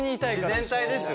自然体ですよ。